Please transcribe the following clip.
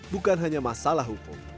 bukan hanya masalah hukum